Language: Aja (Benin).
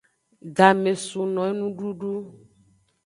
Game sun no enududu.